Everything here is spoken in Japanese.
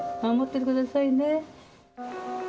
守ってくださいね。